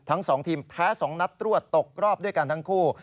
ทั้ง๒ทีมแพ้๒นัดรวดตกรอบด้วยกันทั้งคู่